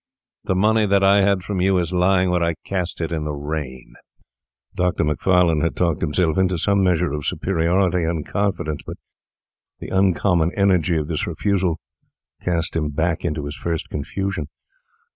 The money that I had from you is lying where I cast it in the rain.' Dr. Macfarlane had talked himself into some measure of superiority and confidence, but the uncommon energy of this refusal cast him back into his first confusion.